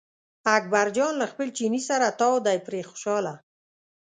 اکبر جان له خپل چیني سره تاو دی پرې خوشاله.